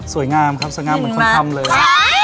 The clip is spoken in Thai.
สวยงามครับสวยงามเหมือนคนทำเลย